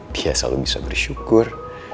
dia selalu bisa bersyukur